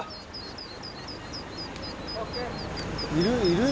いる？